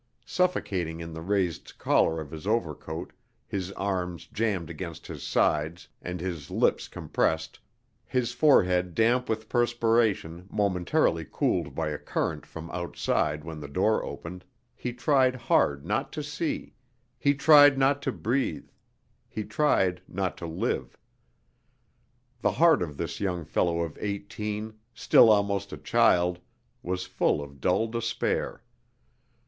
Suffocating in the raised collar of his overcoat, his arms jammed against his sides and his lips compressed, his forehead damp with perspiration momentarily cooled by a current from outside when the door opened, he tried hard not to see, he tried not to breathe, he tried not to live. The heart of this young fellow of eighteen, still almost a child, was full of a dull despair.